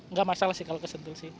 nggak masalah sih kalau ke sentul sih